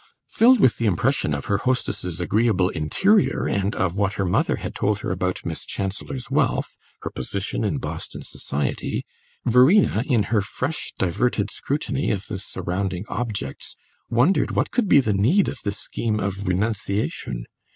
Filled with the impression of her hostess's agreeable interior, and of what her mother had told her about Miss Chancellor's wealth, her position in Boston society, Verena, in her fresh, diverted scrutiny of the surrounding objects, wondered what could be the need of this scheme of renunciation.